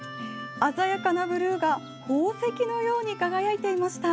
鮮やかなブルーが宝石のように輝いていました。